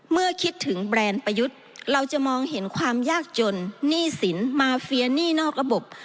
เมื่อคิดถึงแบรนด์ประยุทธ์เราจะมองเห็นความยากจนหนี้สินมาเฟียหนี้นอกระบบ